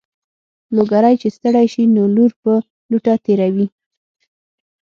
لوګری چې ستړی شي نو لور په لوټه تېروي.